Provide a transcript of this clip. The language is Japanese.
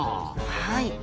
はい。